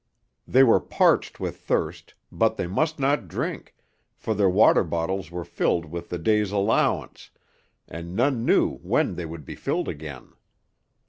They were parched with thirst, but they must not drink, for their water bottles were filled with the day's allowance, and none knew when they would be filled again.